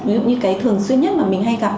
ví dụ như cái thường xuyên nhất mà mình hay gặp